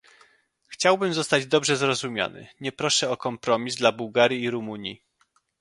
Chciałbym zostać dobrze zrozumiany - nie proszę o kompromis dla Bułgarii i Rumunii